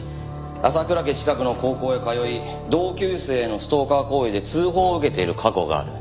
浅倉家近くの高校へ通い同級生へのストーカー行為で通報を受けている過去がある。